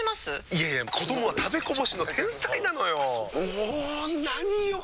いやいや子どもは食べこぼしの天才なのよ。も何よ